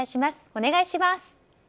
お願いします。